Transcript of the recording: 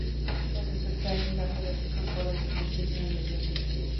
Das ist ein Zeichen dafür, dass die Kontrolle zu funktionieren beginnt.